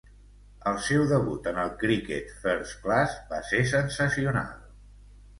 El seu debut en el criquet first-class va ser sensacional.